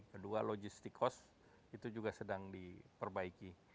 kedua logistik cost itu juga sedang diperbaiki